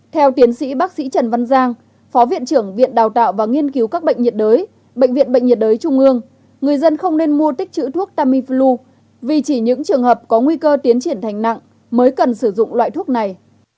theo tiến sĩ bác sĩ trần văn giang phó viện trưởng viện đào tạo và nghiên cứu các bệnh nhiệt đới bệnh viện bệnh nhiệt đới trung ương người dân không nên mua tích chữ thuốc tamiflu vì chỉ những trường hợp có nguy cơ tiến triển thành nặng mới cần sử dụng loại thuốc này